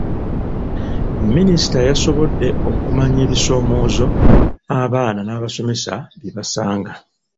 Minisita yasobodde okumanya ebisoomoozo abaana n'abasomesa bye basanga.